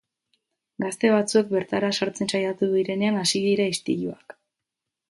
Gazte batzuek bertara sartzen saiatu direnean hasi dira istiluak.